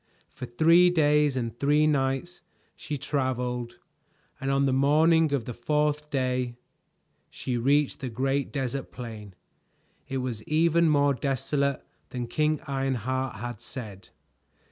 For three days and three nights she traveled, and on the morning of the fourth day she reached the great desert plain. It was even more desolate than King Ironheart had said.